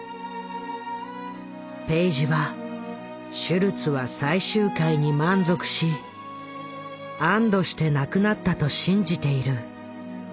ペイジはシュルツは最終回に満足し安堵して亡くなったと信じている。